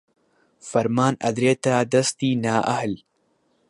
فەرمان ئەدرێتە دەستی نائەهل